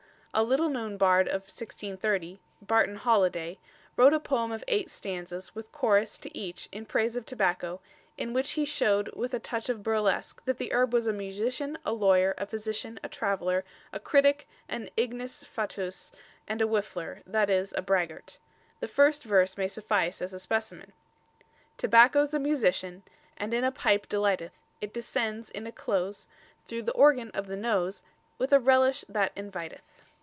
A little known bard of 1630 Barten Holiday wrote a poem of eight stanzas with chorus to each in praise of tobacco, in which he showed with a touch of burlesque that the herb was a musician, a lawyer, a physician, a traveller, a critic, an ignis fatuus, and a whiffler, i.e. a braggart. The first verse may suffice as a specimen: _Tobacco's a musician, And in a pipe delighteth, It descends in a close Through the organ of the nose With a relish that inviteth.